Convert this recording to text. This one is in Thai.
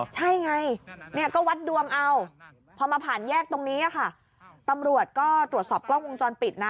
ใช่ไงเนี่ยก็วัดดวงเอาพอมาผ่านแยกตรงนี้ค่ะตำรวจก็ตรวจสอบกล้องวงจรปิดนะ